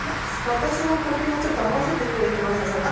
私の呼吸にちょっと合わせてくれてましたさっき？